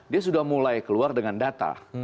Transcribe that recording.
dia sudah mulai keluar dengan data